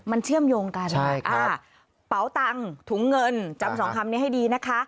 มันเชื่อมโยงกันเป๋าตังค์ถุงเงินจำสองคำนี้ให้ดีนะคะ